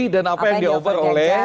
dan apa yang di offer oleh